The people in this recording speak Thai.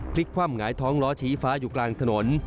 พลิกคว่ำหงายท้องล้อชี้ฟ้าอยู่กลางถนน